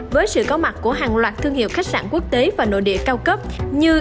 với sự có mặt của hàng loạt thương hiệu khách sạn quốc tế và nội địa cao cấp như